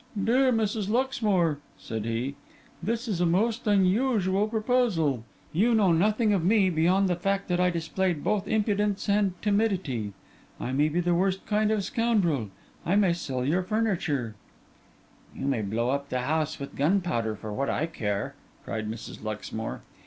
'Dear Mrs. Luxmore,' said he, 'this is a most unusual proposal. You know nothing of me, beyond the fact that I displayed both impudence and timidity. I may be the worst kind of scoundrel; I may sell your furniture—' 'You may blow up the house with gunpowder, for what I care!' cried Mrs. Luxmore.